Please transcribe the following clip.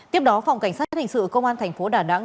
tiếp đó phòng cảnh sát hình sự công an thành phố đà nẵng